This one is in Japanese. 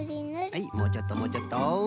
はいもうちょっともうちょっと。